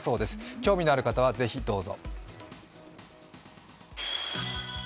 興味のある方はぜひどうぞ。